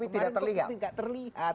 tapi tidak terlihat